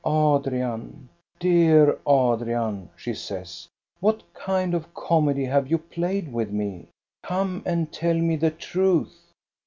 " Adrian, dear Adrian," she says, " what kind of a comedy have you played with me ? Come and tell me the truth."